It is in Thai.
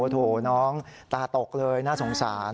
โถน้องตาตกเลยน่าสงสาร